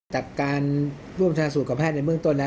จากการร่วมชนะสูตรกับแพทย์ในเบื้องต้นแล้ว